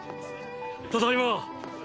ただいま。